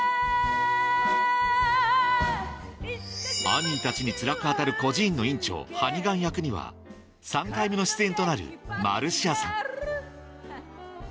アニーたちにつらく当たる孤児院の院長ハニガン役には３回目の出演となるマルシアさん